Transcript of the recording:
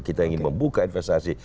kita ingin membuka investasi